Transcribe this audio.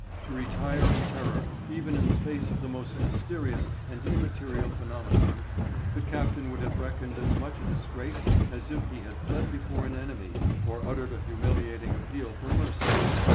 To retire in terror, even in the face of the most mysterious and immaterial phenomenon, the captain would have reckoned as much a disgrace as if he had fled before an enemy or uttered a humiliating appeal for mercy.